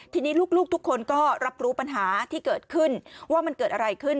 ทีนี้ลูกทุกคนก็รับรู้ปัญหาที่เกิดขึ้นว่ามันเกิดอะไรขึ้น